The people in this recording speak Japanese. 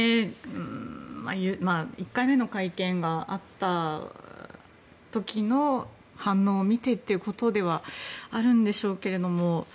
１回目の会見があった時の反応を見てということではあるんでしょうけども。